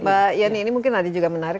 mbak yani ini mungkin nanti juga menarik